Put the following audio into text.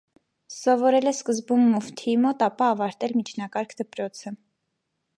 Սովորել է սկզբում մուֆթիի մոտ, ապա ավարտել միջնակարգ դպրոցը։